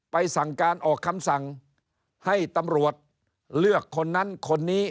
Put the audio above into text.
สั่งการออกคำสั่งให้ตำรวจเลือกคนนั้นคนนี้